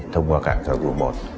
thông qua cảng giả vụ một